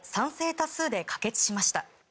多数で可決しました。